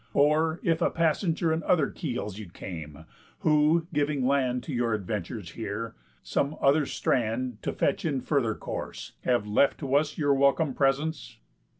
Or, if a passenger In other keels you came, who (giving land To your adventures here, some other strand To fetch in further course) have left to us Your welcome presence?"